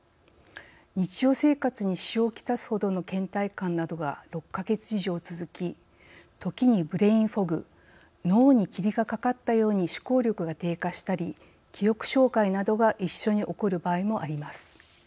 日常生活に支障をきたすほどのけん怠感などが６か月以上続き時にブレイン・フォグ脳に霧がかかったように思考力が低下したり記憶障害などが一緒に起こる場合もあります。